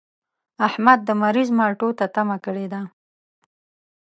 احمد د مريض مالټو ته تمه کړې ده.